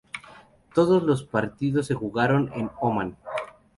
Todos los partidos se jugaron en Omán.